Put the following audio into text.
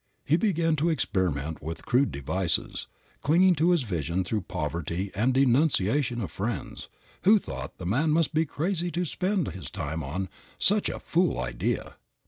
He began to experiment with crude devices, clinging to his vision through poverty and the denunciation of friends, who thought the man must be crazy to spend his time on "such a fool idea."